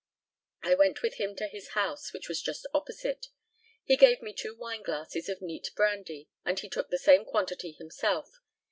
I went with him to his house, which was just opposite. He gave me two wine glasses of neat brandy, and he took the same quantity himself.